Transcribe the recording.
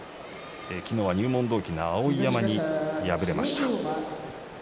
昨日は入門同期の碧山に敗れました。